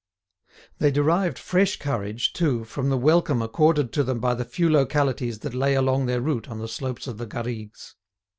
They derived fresh courage, too, from the welcome accorded to them by the few localities that lay along their route on the slopes of the Garrigues.